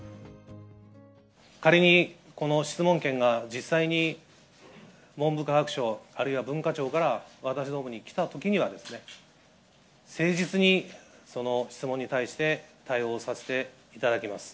仮にこの質問権が実際に文部科学省、あるいは文化庁から、私どもに来たときにはですね、誠実に質問に対して対応させていただきます。